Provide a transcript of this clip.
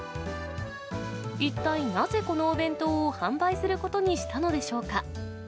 一体なぜこのお弁当を販売することにしたのでしょうか。